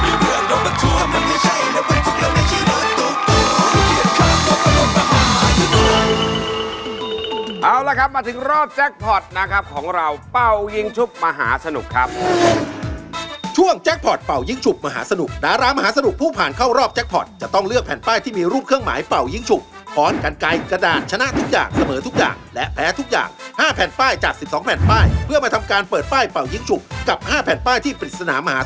มันเปลี่ยนคำว่ามันไม่ใช่ระวังจุกและไม่ใช่โหลดตุ๊กและไม่ใช่โหลดตุ๊กและไม่ใช่ระวังจุกและไม่ใช่โหลดตุ๊กและไม่ใช่ระวังจุกและไม่ใช่ระวังจุกและไม่ใช่ระวังจุกและไม่ใช่ระวังจุกและไม่ใช่ระวังจุกและไม่ใช่ระวังจุกและไม่ใช่ระวังจุกและไม่ใช่ระวังจุกและไม่ใช่ระวัง